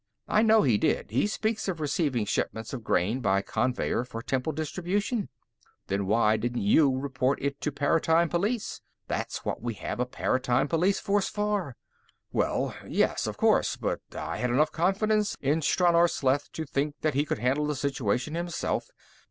"I know he did; he speaks of receiving shipments of grain by conveyer for temple distribution. Then why didn't you report it to Paratime Police? That's what we have a Paratime Police Force for." "Well, yes, of course, but I had enough confidence in Stranor Sleth to think that he could handle the situation himself.